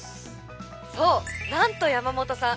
「そうなんと山本さん